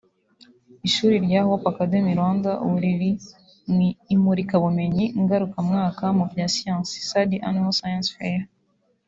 Ishuri rya Hope Academy Rwanda ubu riri mu imurikabumenyi ngarukamwaka mu bya Siyansi “Third Annual Science Fair”